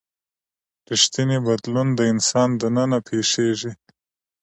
ریښتینی بدلون د انسان دننه پیښیږي.